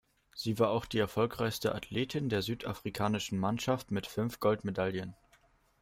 Sie war auch die erfolgreichste Athletin der südafrikanischen Mannschaft mit fünf Goldmedaillen.